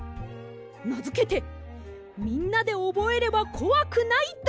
なづけて「みんなでおぼえればこわくないだいさくせん」です！